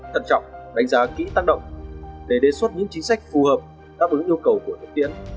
thận trọng đánh giá kỹ tác động để đề xuất những chính sách phù hợp đáp ứng yêu cầu của thực tiễn